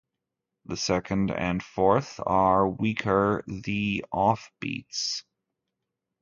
The second and fourth are weaker-the "off-beats".